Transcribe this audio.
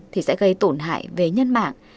thì sẽ gây tổn hại về nhân mạng